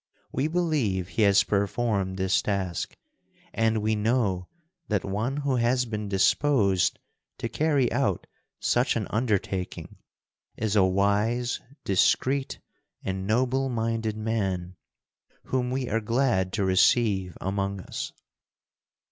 We believe he has performed this task, and we know that one who has been disposed to carry out such an undertaking is a wise, discreet, and noble minded man, whom we are glad to receive among us."